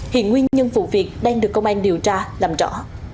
hiện nguyên nhân vụ việc đang được công an điều tra làm rõ